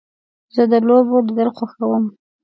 زه د لوبو لیدل خوښوم.